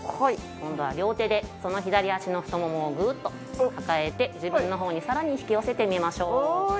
今度は両手でその左足の太ももをグーッと抱えて自分の方にさらに引き寄せてみましょう。